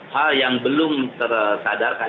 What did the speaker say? hal yang belum tersadarkan